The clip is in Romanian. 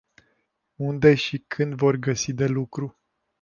Unde și când vor găsi de lucru?